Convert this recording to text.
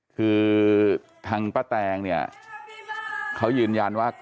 คือทางป้าแตงเนี่ยเขายืนยันว่า